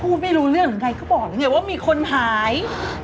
พูดไม่รู้เรื่องย่างไรก็บอกเลยว่ามีคนหาย